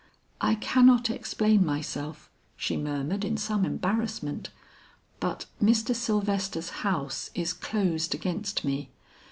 'I cannot explain myself,' she murmured in some embarrassment; 'but Mr. Sylvester's house is closed against me.